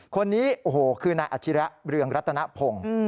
คนนี้โอ้โหคือนายอาชิระเรืองรัตนพงศ์